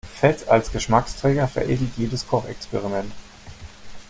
Fett als Geschmacksträger veredelt jedes Kochexperiment.